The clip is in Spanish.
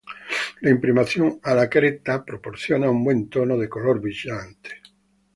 La imprimación a la creta proporciona un buen tono de color brillante.